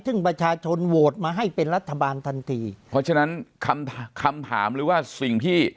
ซึ่งประชาชนโหวตมาให้เป็นรัฐบาลทันทีเพราะฉะนั้นคำถามหรือว่าสิ่งที่